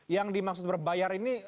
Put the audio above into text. yang dimaksud berbayar ini